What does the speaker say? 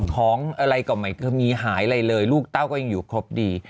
ของอะไรก็ไม่เคยมีหายอะไรเลยลูกเต้าก็ยังอยู่ครบดี